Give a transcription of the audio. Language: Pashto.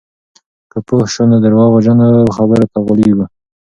که پوه شو، نو درواغجنو خبرو ته غولېږو.